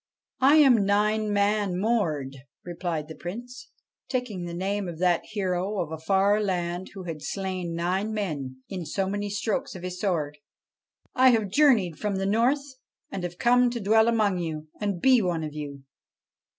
' I am Nine Man Mord,' replied the Prince, taking the name of that hero of a far land who had slain nine men in so many strokes of his sword. ' I have journeyed from the North and have come to dwell among you, and be one of you.'